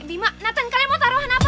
bima naten kalian mau taruhan apa